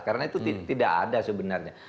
karena itu tidak ada sebenarnya